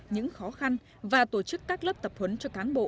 những khó khăn và tổ chức các lớp tập huấn cho cán bộ